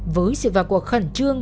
với sự vào cuộc khẩn trương